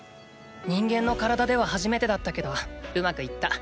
人間の体では初めてだったけどうまくいった。